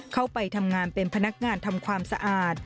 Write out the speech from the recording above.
เข้าไปทำงานเป็นพนักงานทำความสะอาด